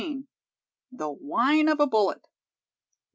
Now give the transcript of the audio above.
THE "WHINE" OF A BULLET.